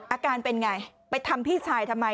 อาการเป็นไงไปทำพี่ชายทำไม